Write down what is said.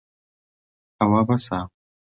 ئەوە بەسە.